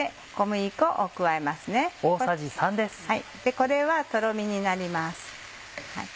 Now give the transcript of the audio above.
これはとろみになります。